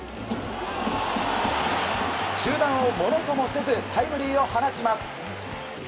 中断をものともせずタイムリーを放ちます。